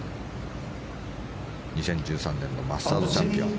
２０１３年のマスターズチャンピオン。